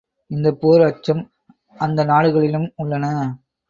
இந்தப் போர் அச்சம் அந்த நாடுகளிலும் உள்ளன.